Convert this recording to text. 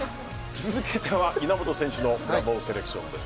続けては稲本選手のブラボーセレクションです。